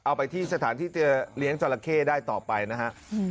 เอาไปที่สถานที่จะเลี้ยงจราเข้ได้ต่อไปนะฮะ